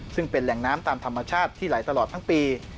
ซึ่งเป็นแหล่งน้ำตามธรรมชาติที่ไหลตลอดทั้งปี